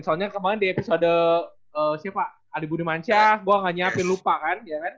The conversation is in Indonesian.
soalnya kemaren di episode siapa adi budimanca gue gak siapin lupa kan